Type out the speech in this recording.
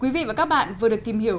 quý vị và các bạn vừa được tìm hiểu